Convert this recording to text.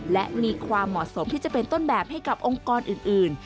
และมีความเหมาะสมที่จะเป็นต้นแบบให้กับองค์กรอื่น